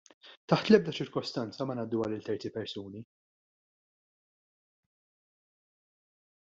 Taħt l-ebda cirkustanza ma ngħadduha lil terzi persuni.